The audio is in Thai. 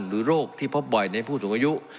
หรือโรคที่พบบ่อยในสูงอายุ